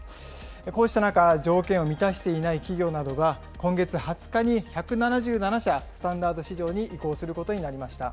こうした中、条件を満たしていない企業などが、今月２０日に１７７社、スタンダード市場に移行することになりました。